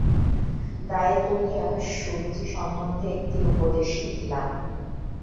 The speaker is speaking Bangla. দায়ে পড়িয়া সুরুচি সম্বন্ধে একটি উপদেশ লিখিলাম।